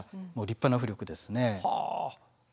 立派な浮力ですね。